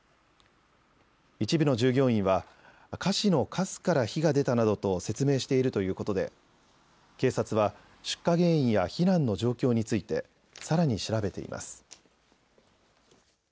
一部の従業員は菓子のかすから火が出たなどと説明しているということで警察は出火原因や避難の状況についてさらに調べています。